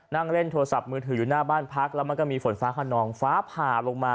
นั่งเล่นโทรศัพท์มือถืออยู่หน้าบ้านพักแล้วมันก็มีฝนฟ้าขนองฟ้าผ่าลงมา